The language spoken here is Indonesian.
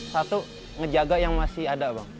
satu menjaga yang masih ada